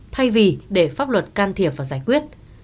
thay vì để pháp luật can thiệp và giải quyết